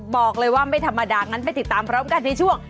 บอกเลยว่าไม่ธรรมดางั้นไปติดตามพร้อมกันในช่วง